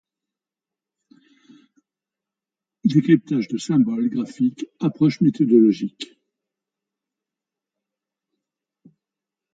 Décryptage de symboles graphiques, Approches métodologiques.